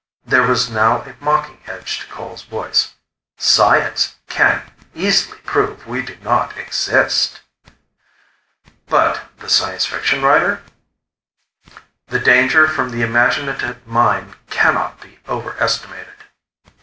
There was now a mocking edge to Cole's voice. "Science can easily prove we do not exist." "But the science fiction writer?" "The danger from the imaginative mind cannot be overestimated."